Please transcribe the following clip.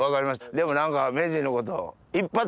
でも何か名人のこと。